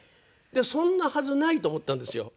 そんなはずないと思ったんですよ。